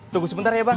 tunggu sebentar ya bang